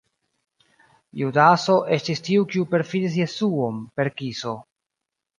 Judaso estis tiu kiu perfidis Jesuon per kiso.